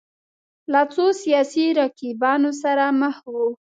له څو سیاسي رقیبانو سره مخ وو